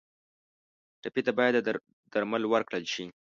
ټپي ته باید د درد درمل ورکړل شي.